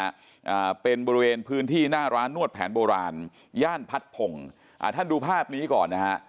อ่าเป็นบริเวณพื้นที่หน้าร้านนวดแผนโบราณย่านพัดพงศ์อ่าท่านดูภาพนี้ก่อนนะฮะ